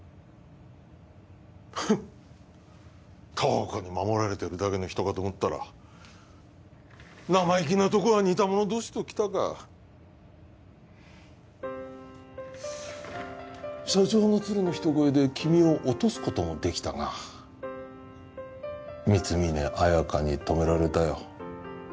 フンッ瞳子に守られてるだけの人かと思ったら生意気なとこは似た者同士ときたか社長の鶴の一声で君を落とすこともできたが光峯綾香に止められたよ